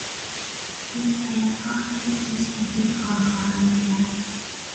این تایرها خیلی بیش از این کار خواهند کرد.